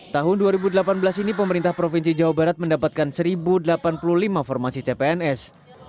tahun dua ribu delapan belas ini pemerintah provinsi jawa barat mendapatkan satu delapan puluh lima formasi cpns